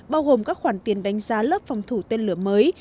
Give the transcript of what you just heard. bao gồm các khoản tiền đánh giá lớp phòng thủ tên lửa mới